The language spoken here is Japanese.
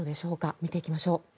見ていきましょう。